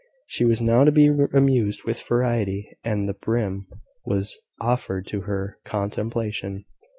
She was now to be amused with variety, and the prim was offered to her contemplation.